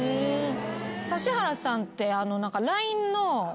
指原さんって。